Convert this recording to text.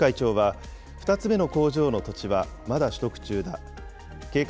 劉会長は、２つ目の工場の土地は、まだ取得中だ。